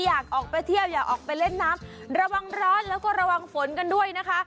อยากออกไปเที่ยวอยากออกไปเล่นน้ำระวังร้อนแล้วก็ระวังฝนกันด้วยนะคะ